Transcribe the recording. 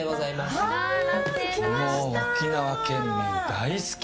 沖縄県民大好き。